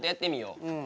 うん。